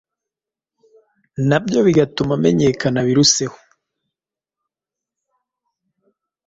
nabyo bigatuma menyekana biruseho